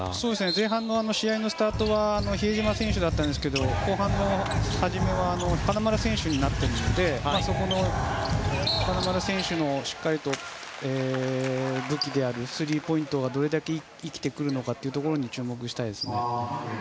前半の試合のスタートは比江島選手だったんですけど後半の初めは金丸選手になっているので金丸選手の武器であるスリーポイントがどれだけ生きてくるのかに注目したいですね。